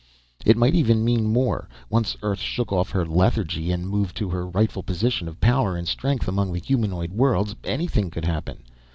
It might even mean more. Once Earth shook off her lethargy and moved to her rightful position of power and strength among the humanoid worlds, anything could happen.